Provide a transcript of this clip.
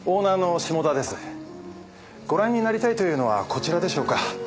ご覧になりたいというのはこちらでしょうか？